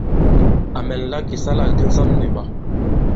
À mɛ̀nla kì ìsalâkdi ǹsɔn nì ɓɔ.